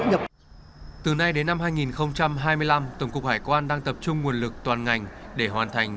nhập từ nay đến năm hai nghìn hai mươi năm tổng cục hải quan đang tập trung nguồn lực toàn ngành để hoàn thành